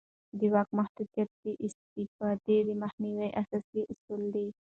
د واک محدودیت د استبداد د مخنیوي اساسي اصل دی